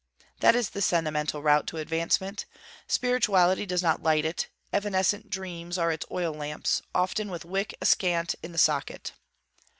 That is the sentimental route to advancement. Spirituality does not light it; evanescent dreams: are its oil lamps, often with wick askant in the socket.